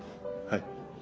はい。